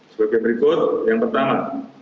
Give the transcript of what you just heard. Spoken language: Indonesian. sebagai berikut yang pertama